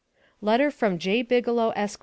LETTER FROM J. BIGELOW, ESQ.